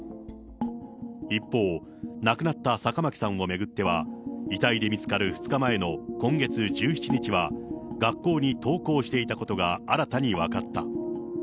一方、亡くなった坂巻さんを巡っては、遺体で見つかる２日前の今月１７日は、学校に登校していたことが新たに分かった。